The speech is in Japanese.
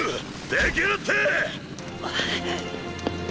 できるって！！